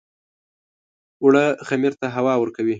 اوړه خمیر ته هوا ورکوي